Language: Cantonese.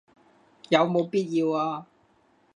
有冇必要啊